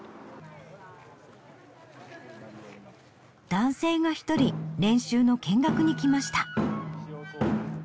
男性が１人練習の見学に来ました。